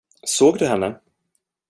Såg du henne?